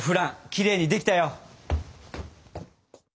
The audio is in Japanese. きれいにできたよ！